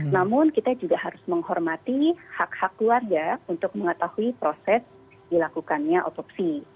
namun kita juga harus menghormati hak hak keluarga untuk mengetahui proses dilakukannya otopsi